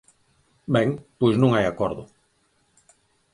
Ben, pois non hai acordo.